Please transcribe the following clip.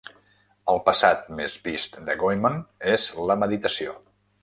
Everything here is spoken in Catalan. El passat més vist de Goemon és la meditació.